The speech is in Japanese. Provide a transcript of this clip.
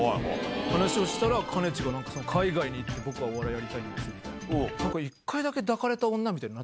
そしたらかねちが、なんか海外に行って、僕はお笑いやりたいんだみたいな。